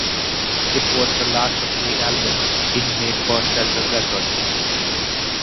It was the last of three albums King made for Shelter Records.